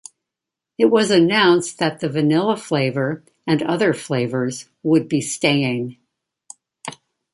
It was announced that the Vanilla flavor and other flavours would be staying.